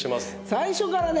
最初からね